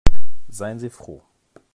Seien Sie froh.